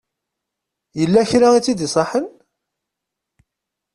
Yella kra i tt-id-iṣaḥen?